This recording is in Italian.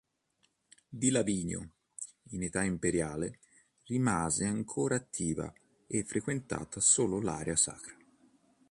Di Lavinio, in età imperiale, rimase ancora attiva e frequentata solo l'area sacra.